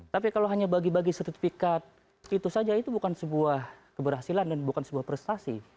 tapi kalau hanya bagi bagi sertifikat segitu saja itu bukan sebuah keberhasilan dan bukan sebuah prestasi